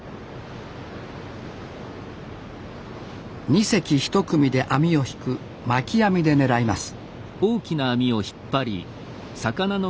２隻１組で網を引く巻き網で狙います